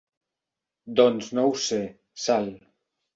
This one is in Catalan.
Doncs no ho sé, Sal.